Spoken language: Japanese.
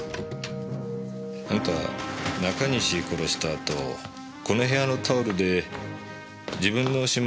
あんた中西殺したあとこの部屋のタオルで自分の指紋を拭き取ってんな。